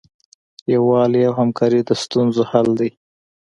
یووالی او همکاري د ستونزو حل دی.